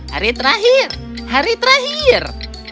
hari terakhir hari terakhir